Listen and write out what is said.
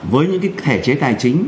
với những cái thể chế tài chính